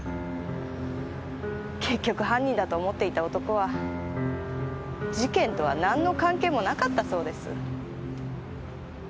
結局犯人だと思っていた男は事件とは何の関係もなかったそうです。